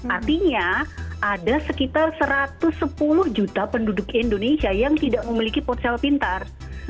artinya ada sekitar satu ratus sepuluh juta penduduk indonesia yang tidak memiliki ponsel pintar